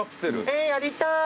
えやりたい。